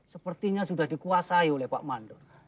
sepertinya sudah dikuasai oleh pak mandor